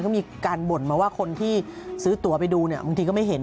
เขามีการบ่นมาว่าคนที่ซื้อตัวไปดูเนี่ยบางทีก็ไม่เห็น